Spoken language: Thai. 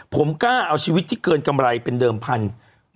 ผมกล้าเอาชีวิตที่เกินกำไรเป็นเดิมพันธุ์